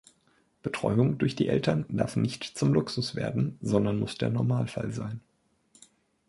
Betreuung durch die Eltern darf nicht zum Luxus werden, sondern muss der Normalfall sein.